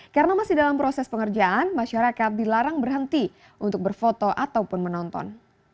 karena masih dalam proses pengerjaan masyarakat dilarang berhenti untuk berfoto ataupun menonton